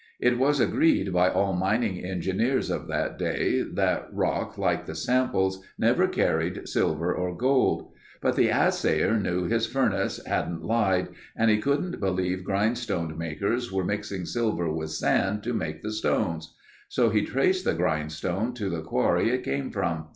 It was agreed by all mining engineers of that day that rock like the samples never carried silver or gold. But the assayer knew his furnace hadn't lied and he couldn't believe grindstone makers were mixing silver with sand to make the stones. So he traced the grindstone to the quarry it came from.